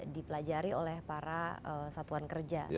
di pelajari oleh para satuan kerja